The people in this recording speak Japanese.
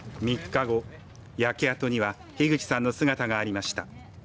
３日後、焼け跡には樋口さんの姿がありました。